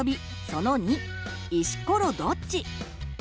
その２「石ころどっち？」。